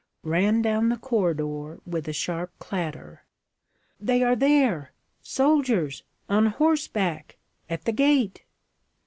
ran down the corridor with a sharp clatter. 'They are there! Soldiers on horseback at the gate!'